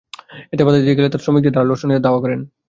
এতে বাধা দিতে গেলে তাঁরা শ্রমিকদের ধারালো অস্ত্র নিয়ে ধাওয়া করেন।